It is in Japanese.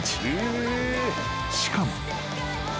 ［しかも］